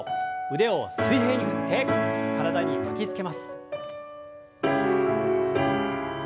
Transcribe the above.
腕を水平に振って体に巻きつけます。